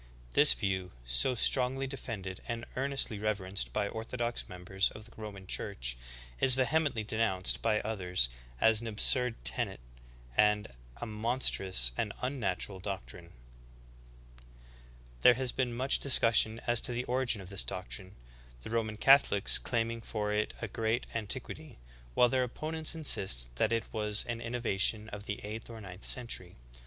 This view, so strongly defended and earnestly reverenced by orthodox members of the Roman Church, is vehemently denounced by others as "an absurd tenet,"^ and a "monstrous and un natural doctrine.""' w See Note 5, end of chapter. '^' Milner. ^ Mosheim. THE SACRAMENT PERVERTED. 121 17. There has been much discussion as to the origin of this doctrine/ the Roman Catholics claiming for it a great antiquity, while their opponents insist that it was an innova tion of the eighth or ninth century.